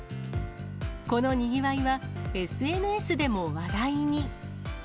このにぎわいは、ＳＮＳでも話題に。